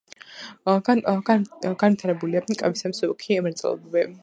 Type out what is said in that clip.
განვითარებულია კვებისა და მსუბუქი მრეწველობები.